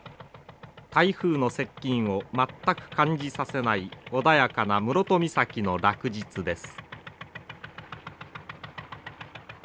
台風の接近を全く感じさせない穏やかな室戸岬の落日です。